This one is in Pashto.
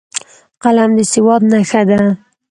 قلم د سواد نښه ده